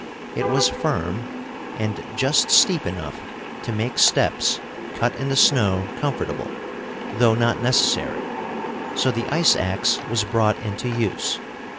It was firm, and just steep enough to make steps cut in the snow comfortable, though not necessary; so the ice axe was brought into use.